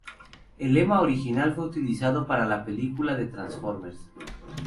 El lema original fue utilizado para la película de Transformers.